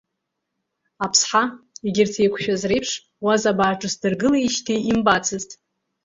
Аԥсҳа, егьырҭ еиқәшәаз реиԥш, Уазабаа ҿыц дыргылеижьҭеи имбацызт.